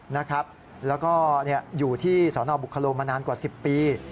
แล้วก็อยู่ที่สนบุคโลมานานกว่า๑๐ปี